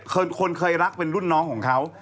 คนเคยรักเป็นรุ่นน้องของเขา